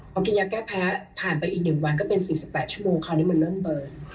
พอกินยาแก้แพ้ผ่านไปอีก๑วันก็เป็น๔๘ชั่วโมงคราวนี้มันเริ่มเบิก